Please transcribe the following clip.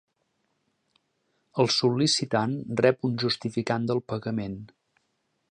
El sol·licitant rep un justificant del pagament.